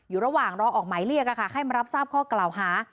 อยู่ระหว่างรอออกหมายเรียกให้มารับทราบข้อกล่าวหา